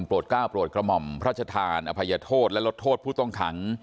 ก้าวโปรดกระหม่อมพระชธานอภัยโทษและลดโทษผู้ต้องขัง